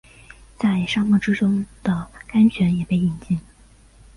在沙漠之中的甘泉也被饮尽